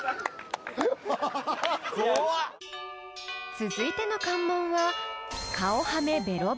［続いての関門は］